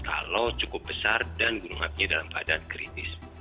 kalau cukup besar dan gunung apinya dalam keadaan kritis